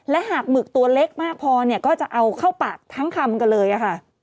และหากหมึกตัวเล็กมากพอเนี่ยก็จะเอาเข้าปากทั้งคำกันเลยค่ะ